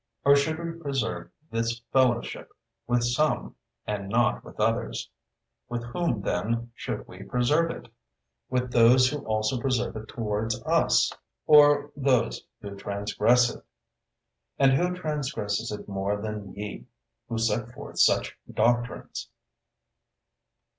Or should we preserve this fellowship with some and not with others? With whom, then, should we preserve it? With those who also preserve it towards us, or with those who transgress it? And who transgress it more than ye, who set forth such doctrines?